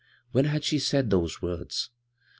When had she said those words ?